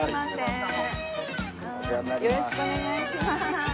よろしくお願いします。